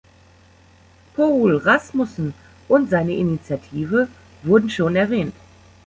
Poul Rasmussen und seine Initiative wurden schon erwähnt.